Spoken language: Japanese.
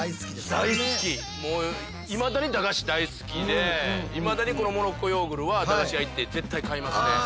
いまだに駄菓子大好きでいまだにこのモロッコヨーグルは駄菓子屋行って絶対買いますね。